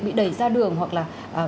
bị đẩy ra đường hoặc là